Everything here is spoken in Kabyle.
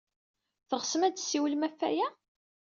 Teɣsem ad d-tessiwlem ɣef waya?